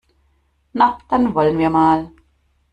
Na, dann wollen wir mal!